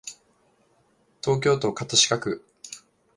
東京都葛飾区